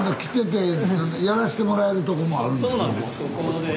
やらしてもらえるとこもあるんですね。